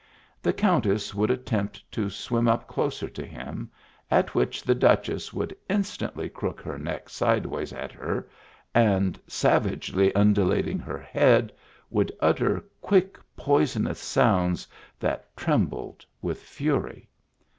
The Countess would at tempt to swim up closer to him, at which the Duchess would instantly crook her neck side wise at her and, savagely undulating her head, would utter quick, poisonous sounds that trem bled with fury.